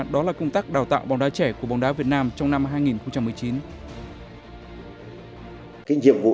đó là công tác đào tạo bóng đá trẻ của bóng đá việt nam trong năm hai nghìn một mươi chín